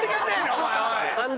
お前おい！